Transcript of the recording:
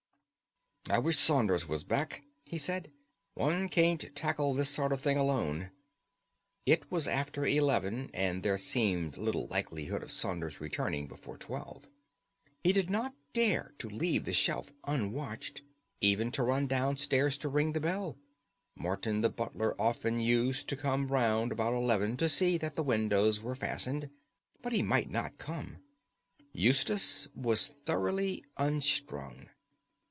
"I wish Saunders was back," he said; "one can't tackle this sort of thing alone." It was after eleven, and there seemed little likelihood of Saunders returning before twelve. He did not dare to leave the shelf unwatched, even to run downstairs to ring the bell. Morton the butler often used to come round about eleven to see that the windows were fastened, but he might not come. Eustace was thoroughly unstrung.